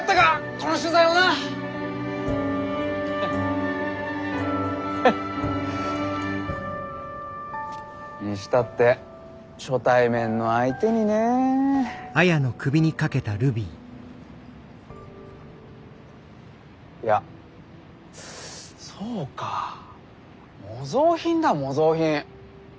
この取材もな。にしたって初対面の相手にねえ。いやそうか模造品だ模造品。